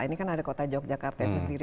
ini kan ada kota yogyakarta itu sendiri